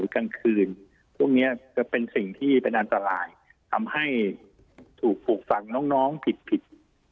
กลางคืนถึงก็เป็นสิ่งที่เป็นอัตรายทำให้แผลงน้องผิด